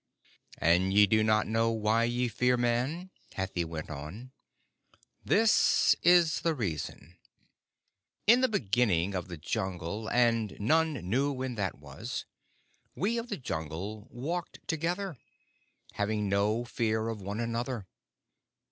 "And ye do not know why ye fear Man?" Hathi went on. "This is the reason. In the beginning of the Jungle, and none know when that was, we of the Jungle walked together, having no fear of one another.